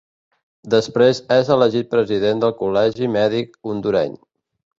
Després és elegit president del Col·legi Mèdic Hondureny.